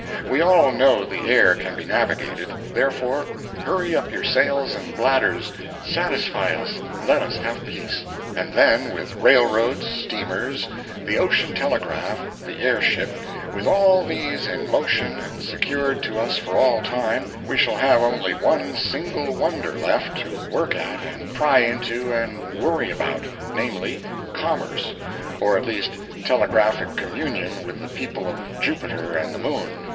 We all know the air can be navigated—therefore, hurry up your sails and bladders—satisfy us—let us have peace. And then, with railroads, steamers, the ocean telegraph, the air ship—with all these in motion and secured to us for all time, we shall have only one single wonder left to work at and pry into and worry about—namely, commerce, or at least telegraphic communion with the people of Jupiter and the Moon.